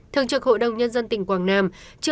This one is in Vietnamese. thường trực hội đồng nhân dân tỉnh quảng nam